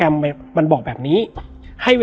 แล้วสักครั้งหนึ่งเขารู้สึกอึดอัดที่หน้าอก